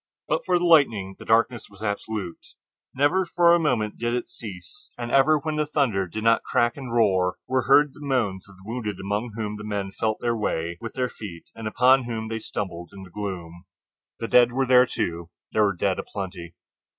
But for the lightning the darkness was absolute. Never for a moment did it cease, and ever when the thunder did not crack and roar were heard the moans of the wounded among whom the men felt their way with their feet, and upon whom they stumbled in the gloom. The dead were there, too—there were dead a plenty.